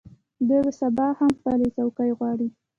دوی سبا هم خپلې څوکۍ غواړي.